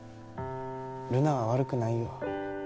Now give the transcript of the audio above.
留奈は悪くないよ。